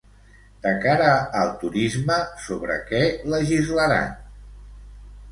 De cara al turisme, sobre què legislaran?